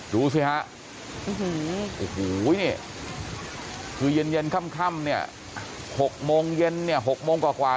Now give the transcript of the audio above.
อยู่สิฮะคือเย็นค่ำเนี่ย๖โมงเย็นเหรอ๖โมงกว่า